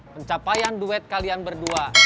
pencapaian duet kalian berdua